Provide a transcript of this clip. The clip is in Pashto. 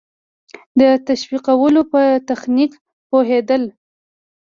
د تشویقولو په تخنیک پوهېدل.